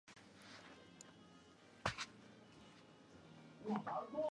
This sextet has been hammering the offerings of all comers.